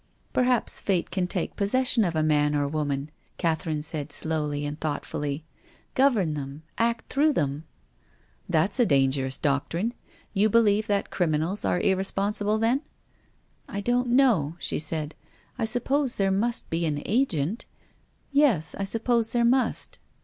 " Perhaps Fate can take possession of a man or a woman," Catherine said slowly and thought fully, " govern them, act through them." " That's a dangerous doctrine. You believe that criminals are irresponsible then?" " I don't know," she said. " I suppose there must be an agent. Yes, I suppose there must."